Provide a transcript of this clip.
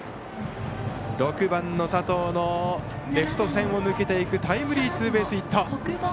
６番の佐藤のレフト線を抜けていくタイムリーツーベースヒット。